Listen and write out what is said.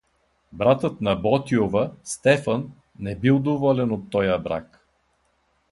Братът на Ботйова, Стефан, не бил доволен от тоя брак.